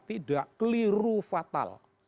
tidak keliru fatal